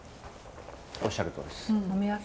おっしゃるとおりです。